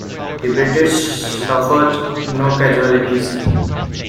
The British suffered no casualties.